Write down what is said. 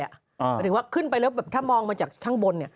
หมายถึงว่าขึ้นไปแล้วถ้ามองมาจากข้างบน